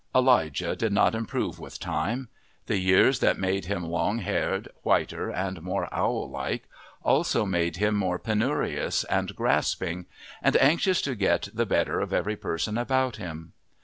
Elijah did not improve with time; the years that made him long haired, whiter, and more owl like also made him more penurious and grasping, and anxious to get the better of every person about him.